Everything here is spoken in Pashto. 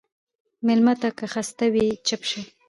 مېلمه ته که خسته وي، چپ شه.